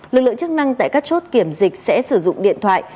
lực lượng chức năng tại các chốt kiểm dịch sẽ sử dụng điện thoại